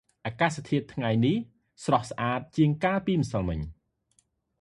អាកាសធាតុថ្ងៃនេះស្រស់ស្អាតជាងកាលពីម្សិលមិញ។